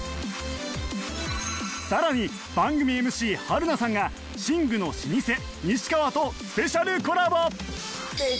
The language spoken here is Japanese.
さらに番組 ＭＣ 春菜さんが寝具の老舗西川とスペシャルコラボ！